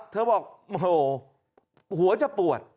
เธอบอกหัวจะปวด